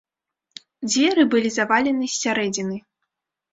Дзверы былі завалены з сярэдзіны.